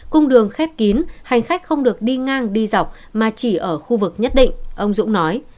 cung đường khép kín hành khách không được đi ngang đi dọc mà chỉ ở khu vực nhất định ông dũng nói